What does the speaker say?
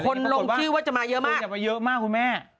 คนลงชื่อว่าจะมาเยอะมาก